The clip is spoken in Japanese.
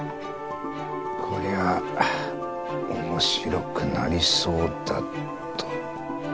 こりゃ面白くなりそうだと。